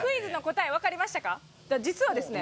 実はですね